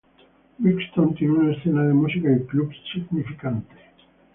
Brixton tiene una escena de música y clubes significante.